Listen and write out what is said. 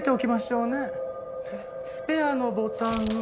スペアのボタンは。